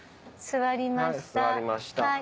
座りました。